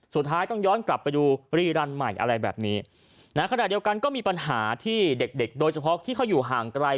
สุดท้ายต้องย้อนกลับไปดูรีรันใหม่อะไรแบบนี้นะขณะเดียวกันก็มีปัญหาที่เด็กเด็กโดยเฉพาะที่เขาอยู่ห่างไกล